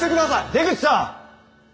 出口さん。